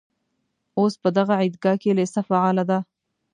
اوس په دغه عیدګاه کې لېسه فعاله ده.